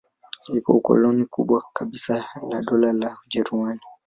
Ilikuwa koloni kubwa kabisa la Dola la Ujerumani.